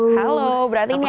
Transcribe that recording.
halo berarti ini artinya